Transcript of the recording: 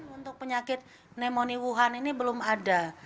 untuk penyakit pneumonia wuhan ini belum ada